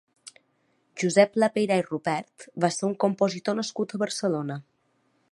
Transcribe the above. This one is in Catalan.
Josep Lapeyra i Rubert va ser un compositor nascut a Barcelona.